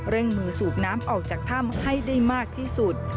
มือสูบน้ำออกจากถ้ำให้ได้มากที่สุด